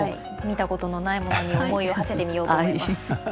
見たことのないものに思いをはせてみようと思います。